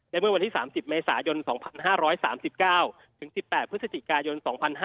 เมื่อวันที่๓๐เมษายน๒๕๓๙ถึง๑๘พฤศจิกายน๒๕๕๙